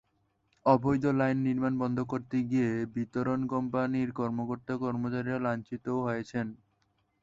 অবৈধ লাইন নির্মাণ বন্ধ করতে গিয়ে বিতরণ কোম্পানির কর্মকর্তা-কর্মচারীরা লাঞ্ছিতও হয়েছেন।